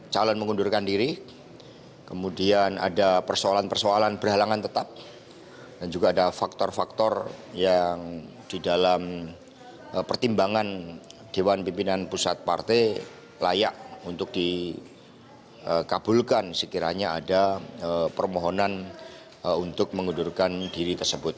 calon mengundurkan diri kemudian ada persoalan persoalan berhalangan tetap dan juga ada faktor faktor yang di dalam pertimbangan dewan pimpinan pusat partai layak untuk dikabulkan sekiranya ada permohonan untuk mengundurkan diri tersebut